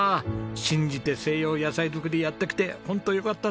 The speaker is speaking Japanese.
信じて西洋野菜作りやってきてホントよかったですね。